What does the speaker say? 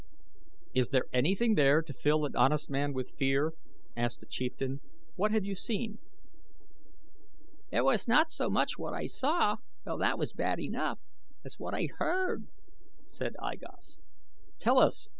"Is there anything there to fill an honest man with fear?" asked a chieftain. "What have you seen?" "It was not so much what I saw, though that was bad enough, as what I heard," said I Gos. "Tell us!